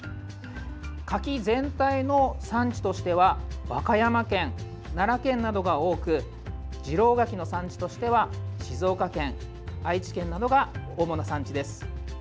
柿全体の産地としては和歌山県、奈良県などが多く次郎柿の産地としては、静岡県愛知県などが主な産地です。